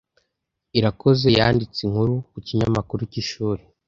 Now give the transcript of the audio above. Irakoze yanditse inkuru ku kinyamakuru cy'ishuri.